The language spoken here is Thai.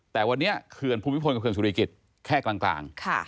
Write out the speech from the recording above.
แต่วันนี้เขื่อนภูมิพลกับเขื่อสุริกิจแค่กลาง